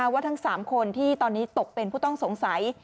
ว่าทั้ง๓คนที่ตอนนี้ตกเป็นผู้ต้องสงสัย